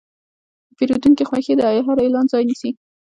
د پیرودونکي خوښي د هر اعلان ځای نیسي.